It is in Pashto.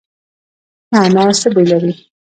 نعناع څه بوی لري؟